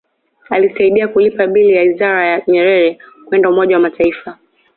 Alisaidia kulipa bili ya ziara ya Nyerere kwenda Umoja wa Mataifa